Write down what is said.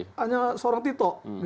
hanya seorang tito